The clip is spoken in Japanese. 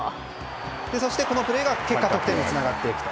そして、このプレーが結果、得点につながっていくと。